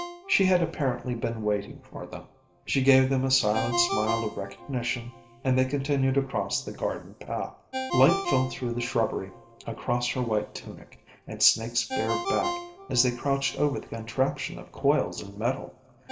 She had apparently been waiting for them. She gave them a silent smile of recognition, and they continued across the garden path. Light fell through the shrubbery across her white tunic and Snake's bare back as they crouched over the contraption of coils and metal.